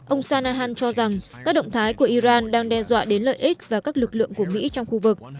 ông sanahan cho rằng các động thái của iran đang đe dọa đến lợi ích và các lực lượng của mỹ trong khu vực